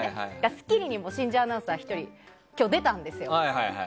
「スッキリ」にも新人アナウンサー出たんですよ。